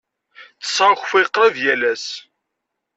Ttesseɣ akeffay qrib yal ass.